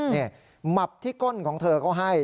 นี่หมับที่ก้นของเธอก็ให้